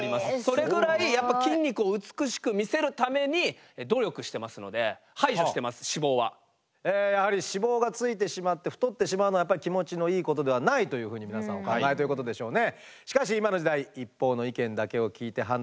それぐらいやっぱり筋肉を美しく見せるために努力してますのでやはり脂肪がついてしまって太ってしまうのは気持ちのいいことではないというふうに皆さんお考えということでしょうね。